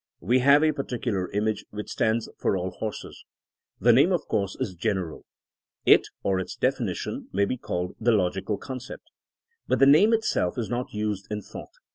We have a particular image which stands for all horses. The name of course is gen eral. It— or its definition — ^may be called the logical concept. But the name itself is not used in thought.